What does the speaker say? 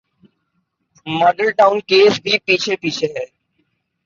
Model town case بھی پیچھے پیچھے ہے۔